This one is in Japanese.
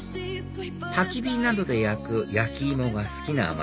たき火などで焼く焼き芋が好きな